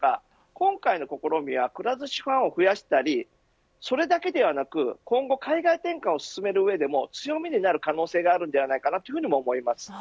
今回の試みはくら寿司ファンを増やしたりそれだけではなく、今後海外展開を進める上でも強みになる可能性があるのではないかと思います。